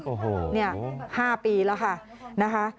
โอ้โหเนี่ย๕ปีแล้วค่ะนะคะ